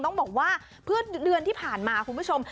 ต้องบอกว่าเพื่อเดือนที่ผ่านมาคุณผู้ชม